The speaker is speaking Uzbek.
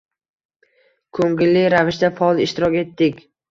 Koʻngilli ravishda faol ishtirok etdik